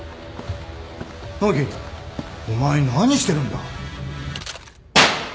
直樹お前何してるんだ？